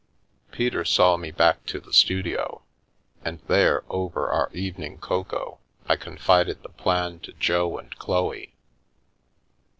Peter saw me back to the studio, and there over our evening cocoa, I confided the plan to Jo and Chloe.